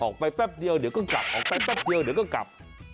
แป๊บเดียวเดี๋ยวก็กลับออกไปแป๊บเดียวเดี๋ยวก็กลับ